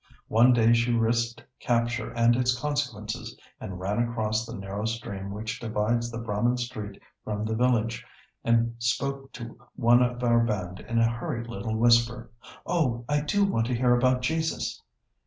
One day she risked capture and its consequences, and ran across the narrow stream which divides the Brahmin street from the village, and spoke to one of our band in a hurried little whisper, 'Oh, I do want to hear about Jesus!